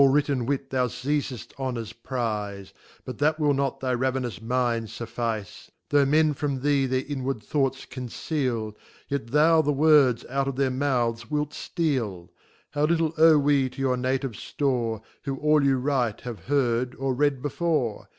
All written Wit thou feizeft on as prize ; But that will not thy ravenous mind fuffice; Though men from thee their inward thoughts conceal, Tet thou the words out of their months wilt foal How little owe we to your Native /lore, Who all you write have heard or read before?